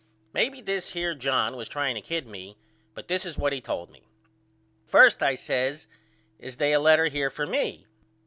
Maybe this here John was trying to kid me but this is what he told me. First I says Is they a letter here for me?